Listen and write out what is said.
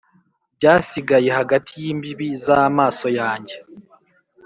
Byasigaye hagati yimbibi zamaso yanjye